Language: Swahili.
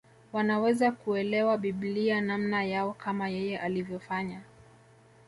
Wanaweza kuelewa Biblia namna yao kama yeye alivyofanya